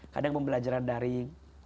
kadang pembelajaran daring